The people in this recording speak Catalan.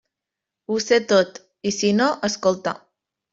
Ho sé tot; i si no, escolta.